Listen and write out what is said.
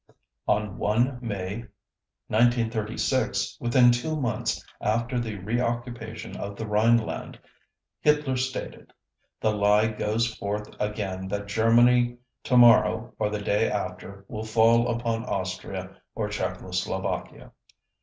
On 1 May 1936, within two months after the reoccupation of the Rhineland, Hitler stated: "The lie goes forth again that Germany tomorrow or the day after will fall upon Austria or Czechoslovakia."